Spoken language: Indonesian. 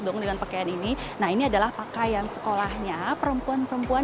bangun dengan pakaian ini nah ini adalah pakaian sekolahnya perempuan perempuan